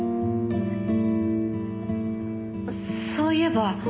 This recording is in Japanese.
そういえば。